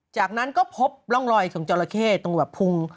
จากนั้นก็พบร่องรอยของจอราเข้ตรงแบบพุง